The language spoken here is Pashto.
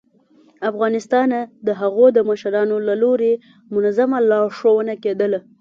ه افغانستانه د هغو د مشرانو له لوري منظمه لارښوونه کېدله